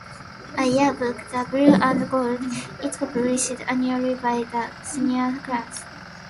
A yearbook, The Blue and Gold, is published annually by the senior class.